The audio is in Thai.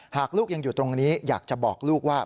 ลูกยังอยู่ตรงนี้อยากจะบอกลูกว่า